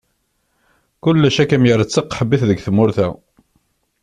Kullec ad kem-yerr d taqaḥbit deg tmurt-a.